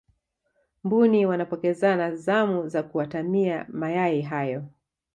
mbuni wanapokezana zamu za kuatamia mayai hayo